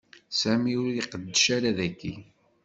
Sami ur iqeddec ara dagi.